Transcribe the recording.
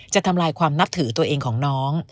ทำลายความนับถือตัวเองของน้อง